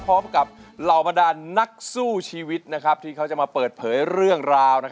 พร้อมกับเหล่าบรรดานนักสู้ชีวิตที่เขาจะมาเปิดเผยเรื่องราว